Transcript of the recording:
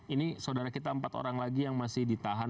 ini saudara kita empat orang lagi yang masih ditahan